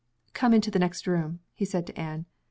"Come into the next room," he said to Anne.